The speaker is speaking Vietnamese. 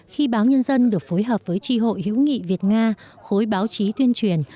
khi báo nhân dân được phối hợp với tri hội hữu nghị việt nga khối báo chí tuyên truyền